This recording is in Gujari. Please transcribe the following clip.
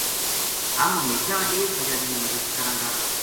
ہم ہمیشاں ایک دُوجا کی مد د کراں گا